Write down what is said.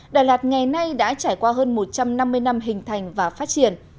đà lạt ngày nay đã trải qua hơn một trăm năm mươi năm hình thành và phát triển